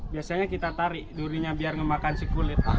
biasanya kita tarik durinya biar kemakan kulit